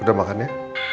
udah makan ya